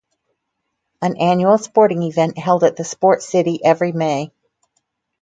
An annual sporting event held at the Sport City every May.